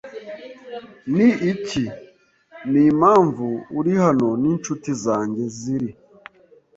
ni iki, n'impamvu uri hano, n'incuti zanjye ziri. ”